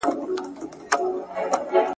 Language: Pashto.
ایا له حده زیات کار کول د بدن قوت کموي؟